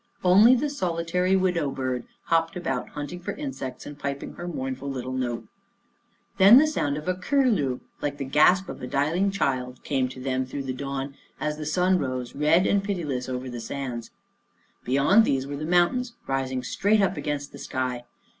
Only the solitary " widow bird " hopped about hunting for insects and piping her mournful little note. Then the sound of a cur lew, like the gasp of a dying child, came to them through the dawn, as the sun rose, red and piti less, over the sands. Beyond these were the mountains, rising straight up against the sky.